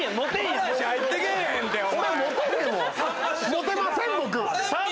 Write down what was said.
モテません僕。